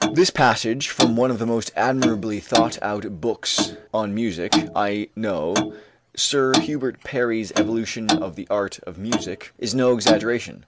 This passage from one of the most admirably thought out books on music I know, Sir Hubert Parry's "Evolution of the Art of Music," is no exaggeration.